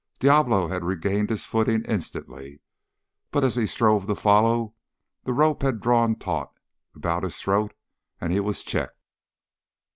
Diablo had regained his footing instantly, but as he strove to follow, the rope had drawn taut about his throat, and he was checked.